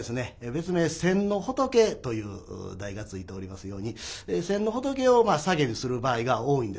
別名「先の仏」という題がついておりますように先の仏をサゲにする場合が多いんです。